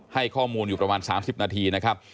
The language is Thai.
ให้ข้อมูลอยู่ประมาณ๓๐นาทีนะครับ